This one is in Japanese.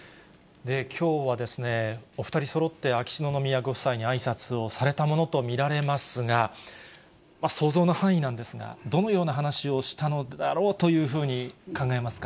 きょうはお２人そろって、秋篠宮ご夫妻にあいさつをされたものと見られますが、想像の範囲なんですが、どのような話をしたのだろうというふうに考えますか？